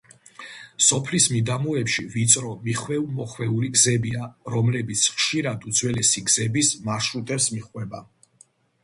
სოფლის მიდამოებში ვიწრო, მიხვეულ–მოხვეული გზებია, რომლებიც ხშირად უძველესი გზების მარშრუტებს მიჰყვება.